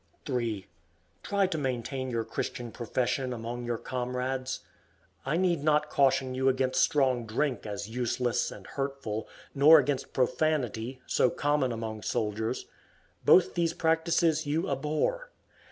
3. Try to maintain your Christian profession among your comrades. I need not caution you against strong drink as useless and hurtful, nor against profanity, so common among soldiers. Both these practices you abhor.